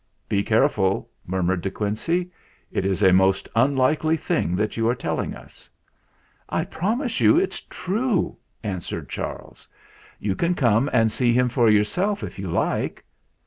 "Be careful!" murmured De Quincey. "It is a most unlikely thing that you are tell ing us !" "I promise you it's true !" answered Charles. "You can come and see him for yourself, if you like."